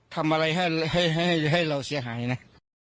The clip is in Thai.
ทำอะไรให้ให้ให้ให้เราเสียหายนะ